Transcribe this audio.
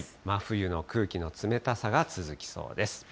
真冬の空気の冷たさが続きそうです。